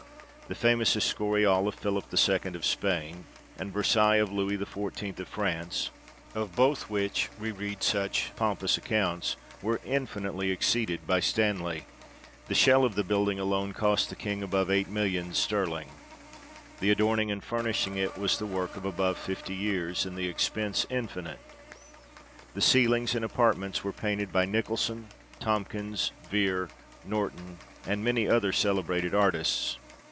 The famous Escurial of Philip the Second of Spain, and Versailles of Lewis XIV. of France, of both which we read such pompous accounts, were infinitely exceeded by Stanley. The shell of the building alone cost the King above eight millions sterling. The adorning and furnishing it was the work of above fifty years, and the expense infinite. The ceilings and apartments were painted by Nicholson, Tomkins, Vere, Norton, and many other celebrated artists.